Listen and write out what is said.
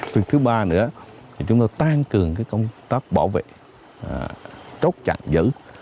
việc thứ ba nữa thì chúng tôi tăng cường cái công tác bảo vệ trốt chặt giữ